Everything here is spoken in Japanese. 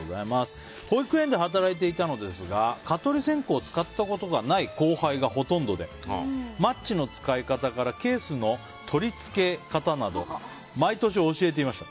保育園で働いていたのですが蚊取り線香を使ったことがない後輩がほとんどでマッチの使い方からケースの取り付け方など毎年教えていました。